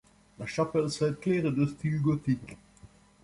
La chapelle Sainte-Claire est de style gothique.